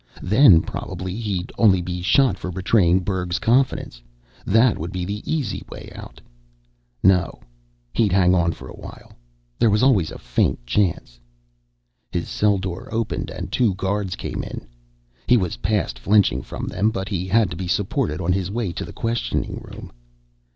Then probably he'd only be shot for betraying Berg's confidence. That would be the easy way out. No. He'd hang on for awhile yet. There was always a faint chance. His cell door opened and two guards came in. He was past flinching from them, but he had to be supported on his way to the questioning room.